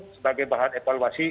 sebagai bahan evaluasi